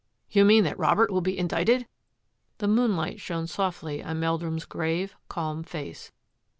" You mean that Robert will be Indicted? " The moonlight shone softly on Meldrum's grave, calm face.